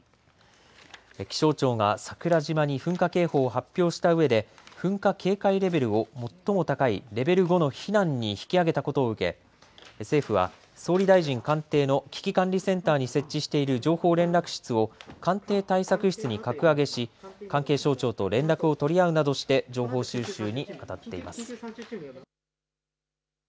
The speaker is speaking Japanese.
気象庁が桜島に噴火警報を発表したうえで噴火警戒レベルを最も高いレベル５の避難に引き上げたことを受け政府は総理大臣官邸の危機管理センターに設置している情報連絡室を官邸対策室に格上げし、関係省庁と連絡を取り合うなどして情報収集にあたっています。